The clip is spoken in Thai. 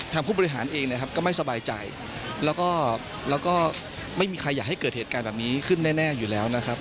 ผู้บริหารเองนะครับก็ไม่สบายใจแล้วก็ไม่มีใครอยากให้เกิดเหตุการณ์แบบนี้ขึ้นแน่อยู่แล้วนะครับ